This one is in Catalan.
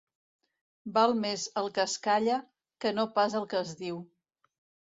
Val més el que es calla que no pas el que es diu.